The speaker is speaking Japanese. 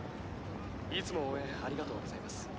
いつも応援ありがとうございます。